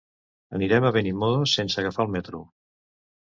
Anirem a Benimodo sense agafar el metro.